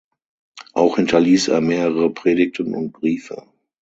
Auch hinterließ er mehrere Predigten und Briefe.